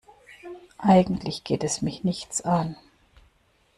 Eigentlich geht es mich nichts an.